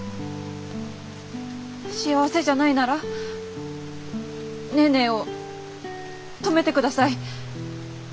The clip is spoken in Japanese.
幸せじゃないならネーネーを止めてください。